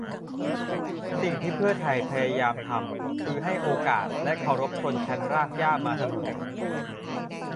สิ่งที่เพื่อไทยพยายามทำคือให้โอกาสและเคารพชนชั้นรากหญ้ามาเสมอ